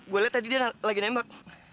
gue lihat tadi dia lagi nembak